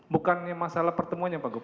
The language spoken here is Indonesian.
bukannya masalah pertemuan ya pak gup